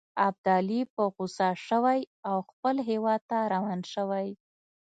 ابدالي په غوسه شوی او خپل هیواد ته روان شوی.